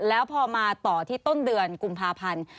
แล้วพอมาต่อที่ต้นเดือนกุมภาพันธ์